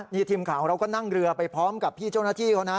นี่ทีมข่าวของเราก็นั่งเรือไปพร้อมกับพี่เจ้าหน้าที่เขานะ